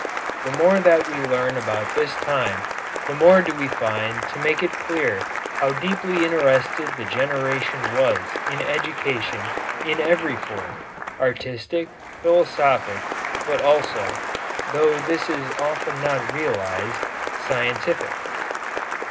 The more that we learn about this time the more do we find to make it clear how deeply interested the generation was in education in every form, artistic, philosophic, but, also, though this is often not realized, scientific.